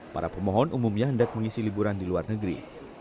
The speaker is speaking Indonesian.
para pemohon umumnya hendak mengisi liburan di luar negeri